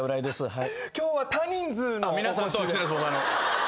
はい。